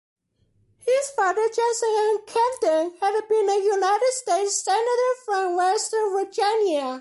His father, Johnson N. Camden, had been a United States Senator from West Virginia.